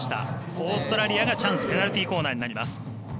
オーストラリアがチャンスペナルティーコーナーになります。